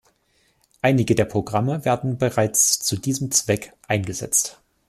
Einige der Programme werden bereits zu diesem Zweck eingesetzt.